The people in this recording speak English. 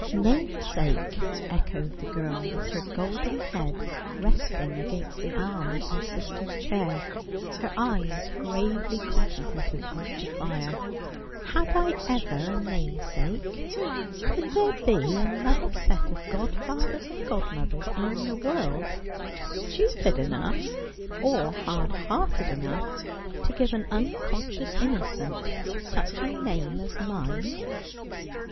' Namesake !' echoed the girl, with her golden head resting against the arm of her sister's chair, her eyes gravely contem plative of the fire. ' Had I ever a namesake ? Could there be another set of godfathers and godmothers in the world stupid enough, or hard hearted enough, to give an unconscious inno cent such a name as mine